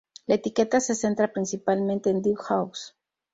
La etiqueta se centra principalmente en deep house.